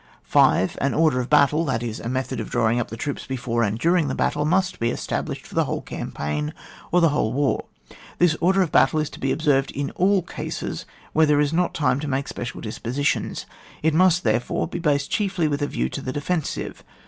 5. An order of battle, that is, a method of drawing up the troops before and during the battle, must be established for the whole campaign, or the whole war. This order of battle is to be ob served in all cases when there is not time to make special dispositions. It must, therefore, be based chiefly with a view to the defensive.